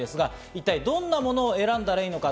一体どんなもの選んだらいいのか。